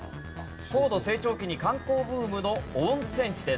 高度成長期に観光ブームの温泉地です。